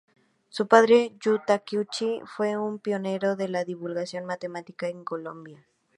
Su padre, Yu Takeuchi, fue un pionero de la divulgación matemática en Colombia.